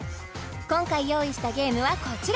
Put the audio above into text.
今回用意したゲームはこちら